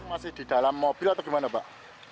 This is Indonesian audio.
masih di dalam mobil atau gimana pak